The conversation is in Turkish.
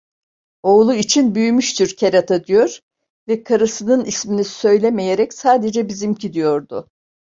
Oğlu için "Büyümüştür kerata…" diyor ve karısının ismini söylemeyerek sadece "bizimki" diyordu.